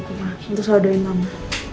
kita bisa di sini ma untuk selalu doain mama